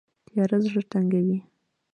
تیاره زړه تنګوي